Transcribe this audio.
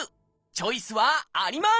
チョイスはあります！